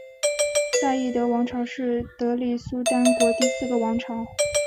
赛义德王朝是德里苏丹国第四个王朝。